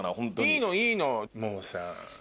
いいのいいのもうさ。